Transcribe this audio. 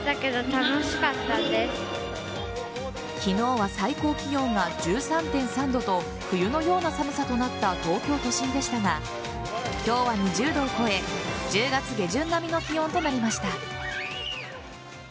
昨日は最高気温が１３．３度と冬のような寒さとなった東京都心でしたが今日は２０度を超え１０月下旬並みの気温となりました。